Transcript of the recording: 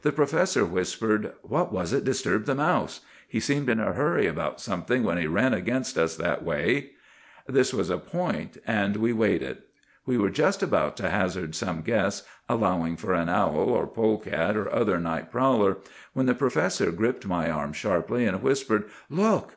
"The professor whispered, 'What was it disturbed the mouse? He seemed in a hurry about something when he ran against us that way.' "This was a point, and we weighed it. We were just about to hazard some guess, allowing for an owl, or polecat, or other night prowler, when the professor gripped my arm sharply, and whispered, 'Look!